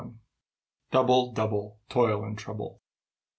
"DOUBLE, DOUBLE, TOIL AND TROUBLE."